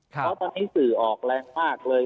เค้าตั้งนี้สื่อออกแรงมากเลย